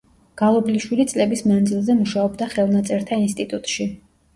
მგალობლიშვილი წლების მანძილზე მუშაობდა ხელნაწერთა ინსტიტუტში.